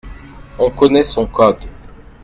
On connaît son Code.